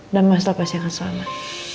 dan masal pasti akan selamat